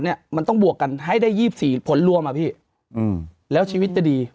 เนี่ยมันต้องบวกกันให้ได้๒๔ผลรวมอ่ะพี่อืมแล้วชีวิตจะดี